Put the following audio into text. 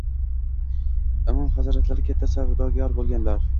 Imom hazratlari katta savdogar bo‘lganlar